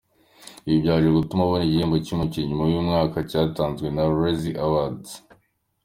Ibi byaje gutuma abona igihembo cy’umukinnyi mubi w’umwaka cyatanzwe na Razzie Awards.